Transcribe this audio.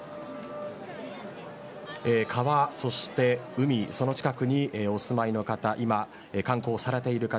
川、そして海、その近くにお住まいの方今、観光されている方